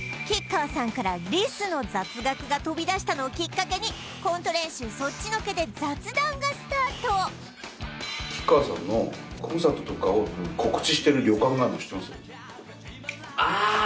吉川さんからリスの雑学が飛びだしたのをきっかけにコント練習そっちのけで雑談がスタートああー！